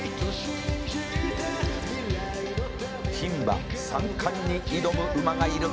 「牝馬三冠に挑む馬がいる」